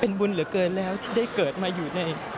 บุญเหลือเกินแล้วที่ได้เกิดมาอยู่ใน